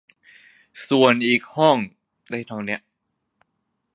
อีกห้องได้เท่านี้